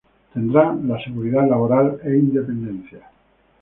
Tendrán la seguridad laboral, e independencia.